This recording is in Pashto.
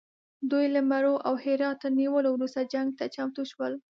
دوی له مرو او هرات تر نیولو وروسته جنګ ته چمتو شول.